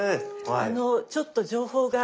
あのちょっと情報が。